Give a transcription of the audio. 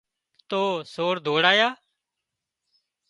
تو سور ڌوڙيا